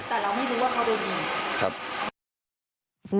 แต่เราไม่รู้ว่าเขาวิ่ง